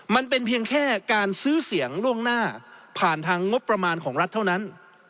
มันเป็นเพียงแค่การซื้อเสียงล่วงหน้าผ่านทางงบประมาณของรัฐเท่านั้น